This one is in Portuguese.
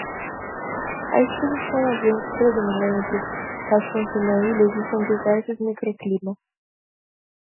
A exposição aos ventos predominantes, faz com que na ilha existam diversos micro-climas.